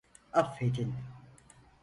Affedin.